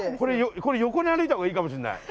これ横に歩いた方がいいかもしんない。